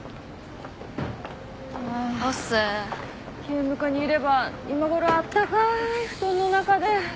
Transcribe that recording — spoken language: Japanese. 警務課にいれば今頃あったかい布団の中で。